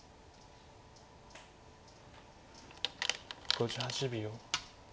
５８秒。